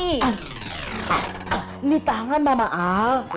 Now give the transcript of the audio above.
ini tangan mama al